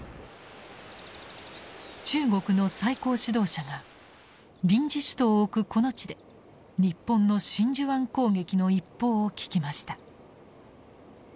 中国の最高指導者が臨時首都を置くこの地で日本の真珠湾攻撃の一報を聞きました。